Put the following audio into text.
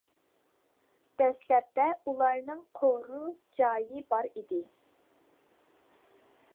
دەسلەپتە ئۇلارنىڭ قورۇ جايى بار ئىدى.